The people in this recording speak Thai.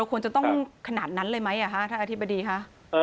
ควรจะต้องขนาดนั้นเลยไหมคะท่านอธิบดีคะ